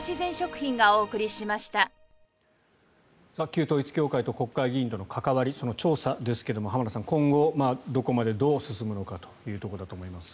旧統一教会と国会議員との関わりその調査ですけども浜田さん今後どこまでどう進むかというところだと思います。